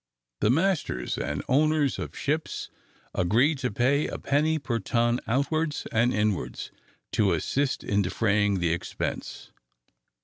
The masters and owners of ships agreed to pay a penny per ton outwards and inwards to assist in defraying the expense.